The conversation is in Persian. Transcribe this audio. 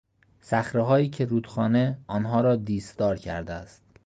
صخرههایی که رودخانه آنها را دیسدار کرده است